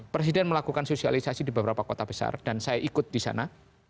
presiden melakukan sosialisasi di beberapa kota besar dan saya ikut di sana